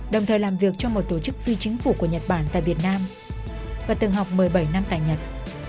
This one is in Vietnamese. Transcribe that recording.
đồng thời làm việc trong một tổ chức phi chính phủ của nhật bản tại việt nam và từng học một mươi bảy năm tại nhật